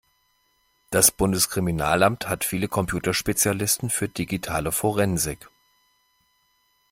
Das Bundeskriminalamt hat viele Computerspezialisten für digitale Forensik.